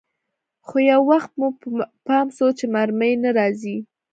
خو يو وخت مو پام سو چې مرمۍ نه راځي.